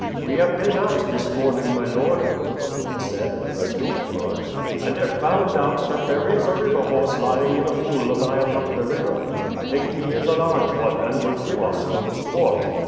"We have been out this morning, my lord," the boatman said, addressing Chebron, "and have found out that there is a river horse lying in a pool a mile up the river. I think he is a large one and will give us good sport."